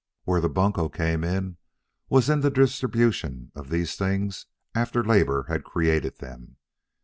Where the bunco came in was in the distribution of these things after labor had created them.